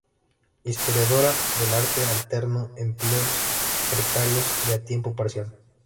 Historiadora del arte, alternó empleos precarios y a tiempo parcial.